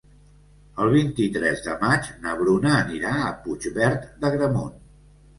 El vint-i-tres de maig na Bruna anirà a Puigverd d'Agramunt.